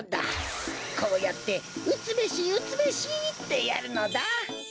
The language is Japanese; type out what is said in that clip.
こうやって「うつべしうつべし」ってやるのだ。